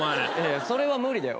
それは無理だよ。